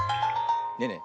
ねえねえ